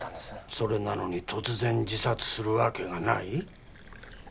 それなのに突然自殺するわけがない？